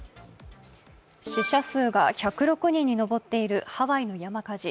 死者数が１０６人に上っているハワイの山火事。